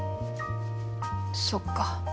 そっか。